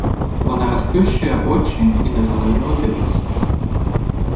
Вона розплющує очі й незрозуміло дивиться.